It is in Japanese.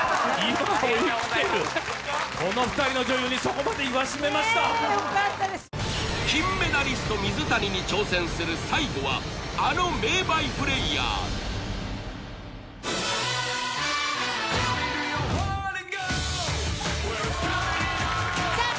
この２人の女優にそこまで言わしめました金メダリスト水谷に挑戦する最後はあの名バイプレーヤーさあ